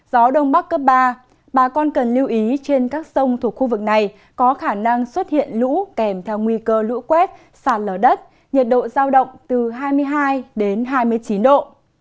gió đông bắc cấp ba bà con cần lưu ý trên các sông thuộc khu vực này có khả năng xuất hiện lũ kèm theo nguy cơ lũ quét sạt lở đất nhiệt độ giao động từ hai mươi hai đến hai mươi chín độ